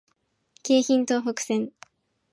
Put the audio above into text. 京浜東北線